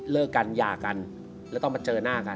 เลิกกันหย่ากันแล้วต้องมาเจอหน้ากัน